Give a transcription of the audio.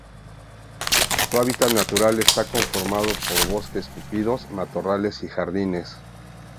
Su hábitat natural está conformado por bosques tupidos, matorrales y jardines.